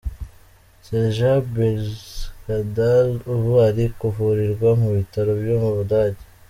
Sergeant Bergdahl ubu ari kuvurirwa mu bitaro byo mu Budage.